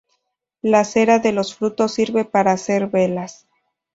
La cera de los frutos sirve para hacer velas.